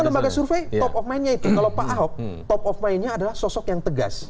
karena lembaga survei top of mind nya itu kalau pak ahok top of mind nya adalah sosok yang tegas